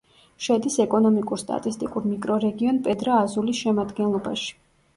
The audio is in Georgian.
შედის ეკონომიკურ-სტატისტიკურ მიკრორეგიონ პედრა-აზულის შემადგენლობაში.